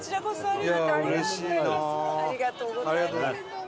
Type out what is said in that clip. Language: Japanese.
ありがとうございます。